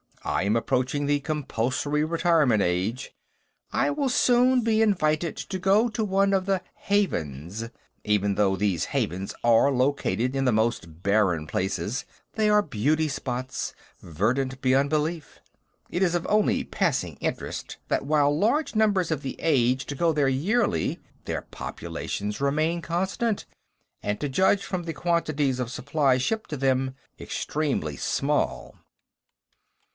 I am approaching the compulsory retirement age; I will soon be invited to go to one of the Havens. Even though these Havens are located in the most barren places, they are beauty spots, verdant beyond belief. It is of only passing interest that, while large numbers of the aged go there yearly, their populations remain constant, and, to judge from the quantities of supplies shipped to them, extremely small."